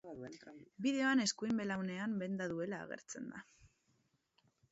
Bideoan eskuin belaunean benda duela agertzen da.